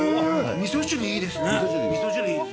味噌汁、いいですね。